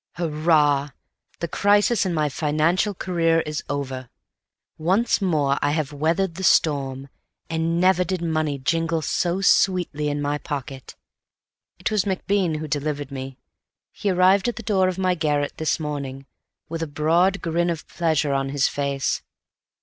Hurrah! The crisis in my financial career is over. Once more I have weathered the storm, and never did money jingle so sweetly in my pocket. It was MacBean who delivered me. He arrived at the door of my garret this morning, with a broad grin of pleasure on his face.